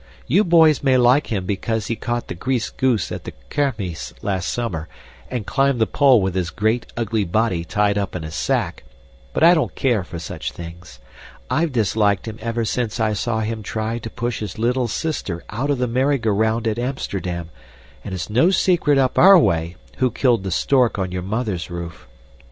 You boys may like him because he caught the greased goose at the kermis last summer and climbed the pole with his great, ugly body tied up in a sack, but I don't care for such things. I've disliked him ever since I saw him try to push his little sister out of the merry go round at Amsterdam, and it's no secret up OUR way who killed the stork on your mother's roof.